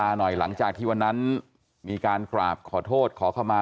หน่อยหลังจากที่วันนั้นมีการกราบขอโทษขอเข้ามา